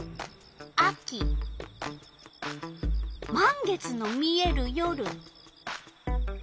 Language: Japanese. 満月の見える夜。